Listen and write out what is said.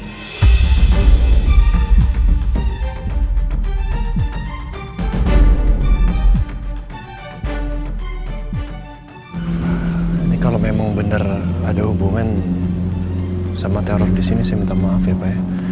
ini kalau memang benar ada hubungan sama teror di sini saya minta maaf ya pak ya